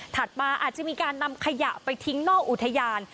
มาอาจจะมีการนำขยะไปทิ้งนอกอุทยาน